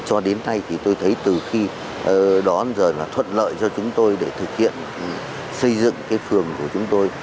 cho đến nay tôi thấy từ khi đón rời là thuận lợi cho chúng tôi để thực hiện xây dựng phường của chúng tôi